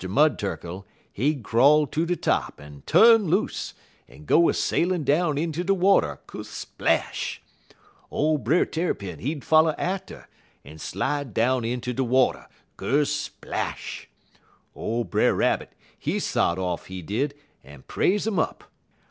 Mud Turkle, he'd crawl ter de top, en tu'n loose, en go a sailin' down inter de water kersplash! Ole Brer Tarrypin, he'd foller atter, en slide down inter de water kersplash! Ole Brer Rabbit, he sot off, he did, en praise um up.